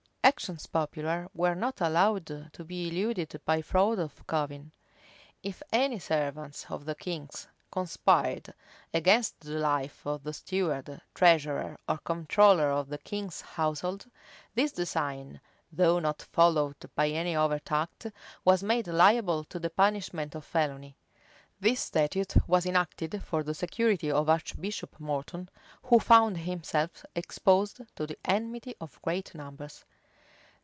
Actions popular were not allowed to be eluded by fraud or covin. If any servant of the king's conspired against the life of the steward, treasurer, or comptroller of the king's household, this design, though not followed by any overt act, was made liable to the punishment of felony.[v] This statute was enacted for the security of Archbishop Morton, who found himself exposed to the enmity of great numbers.